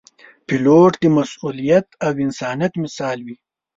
پیلوټ د مسؤلیت او انسانیت مثال وي.